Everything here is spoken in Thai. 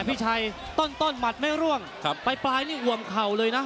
พี่ชัยต้นหมัดไม่ร่วงปลายนี่อ่วมเข่าเลยนะ